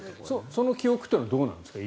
その記憶っていうのはどうなんですか？